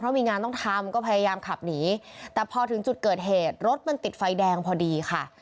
มีงานต้องทำก็พยายามขับหนีแต่พอถึงจุดเกิดเหตุรถมันติดไฟแดงพอดีค่ะ